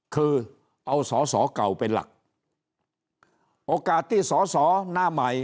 คือเอาสอสอเก่าเป็นหลักโอกาสที่สอสอหน้าใหม่